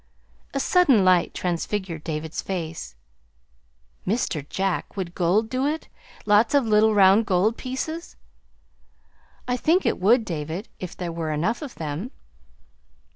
A sudden light transfigured David's face. "Mr. Jack, would gold do it? lots of little round gold pieces?" "I think it would, David, if there were enough of them."